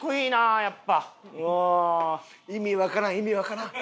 意味わからん意味わからん！